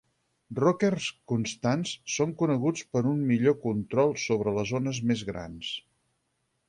Rockers constants són coneguts per un millor control sobre les ones més grans.